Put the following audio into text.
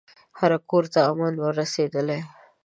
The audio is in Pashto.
هر کورته امن ور رسېدلی